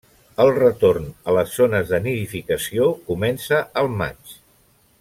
El retorn a les zones de nidificació comença al maig.